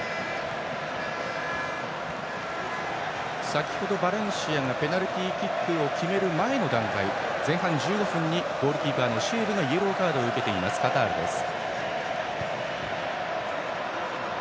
先程、バレンシアがペナルティーキックを決める前の段階前半１５分にゴールキーパーのシェーブがイエローカードを受けています、カタールです。